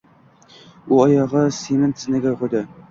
U oyog‘ini sement zinaga qo‘ydi.